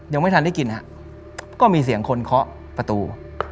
ยังไม่ทันได้กินฮะก็มีเสียงคนเคาะประตู